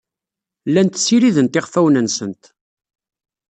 Llant ssidirent iɣfawen-nsent.